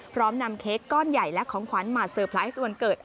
พร้อมนำเค้กก้อนใหญ่และของขวัญมาเตอร์ไพรส์วันเกิด